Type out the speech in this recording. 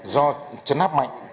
do chấn áp mạnh